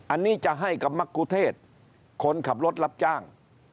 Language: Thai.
อันนี้จะให้กับมรกุเทศคนขับรถรับจ้าง